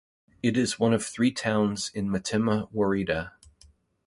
It is one of three towns in Metemma woreda.